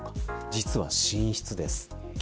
実は寝室です。